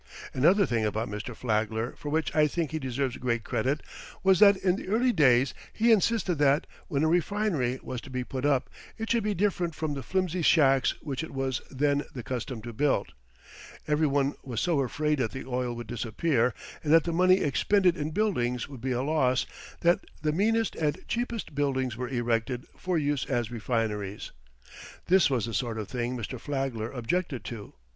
Another thing about Mr. Flagler for which I think he deserves great credit was that in the early days he insisted that, when a refinery was to be put up, it should be different from the flimsy shacks which it was then the custom to build. Everyone was so afraid that the oil would disappear and that the money expended in buildings would be a loss that the meanest and cheapest buildings were erected for use as refineries. This was the sort of thing Mr. Flagler objected to.